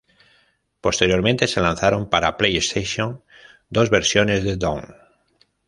Posteriormente, se lanzaron para PlayStation dos versiones de "Doom".